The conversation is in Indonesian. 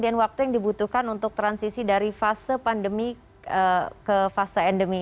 dan jaringan di lapangan yang memlukan proses peningkuan kecil di sampingnya